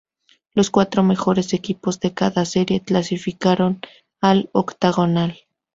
Los cuatro mejores equipos de cada serie clasificaron al Octogonal.